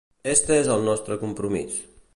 Este és el nostre compromís.